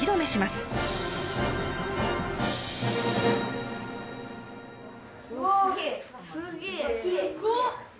すごっ！